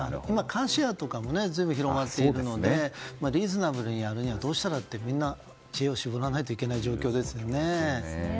カーシェアも広がっているのでリーズナブルにやるにはどうしたらって、みんな知恵を絞らないといけない状況ですね。